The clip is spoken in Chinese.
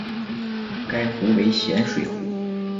该湖为咸水湖。